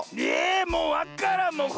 えもうわからん！